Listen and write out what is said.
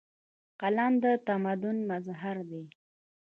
قلم د تمدن مظهر دی.